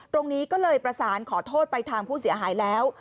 ตรงนี้ก็เลยประสานขอโทษไปทางผู้เสียหายแล้ว